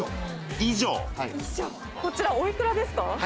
こちらお幾らですか？